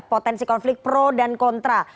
potensi konflik pro dan kontra